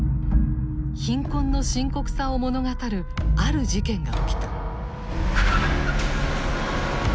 貧困の深刻さを物語るある事件が起きた。